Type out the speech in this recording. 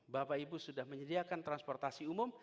bapak ibu sudah menyediakan transportasi umum